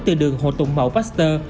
từ đường hồ tùng mậu baxter